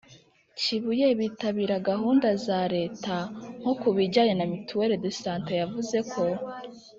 kibuye bitabira gahunda za leta. nko ku bijyanye na mutuelle de santé, yavuze ko